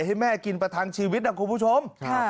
ให้แม่กินประทังชีวิตนะคุณผู้ชม